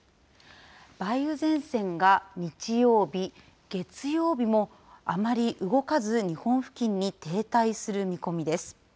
梅雨前線が日曜日、月曜日もあまり動かず、日本付近に停滞する見込みです。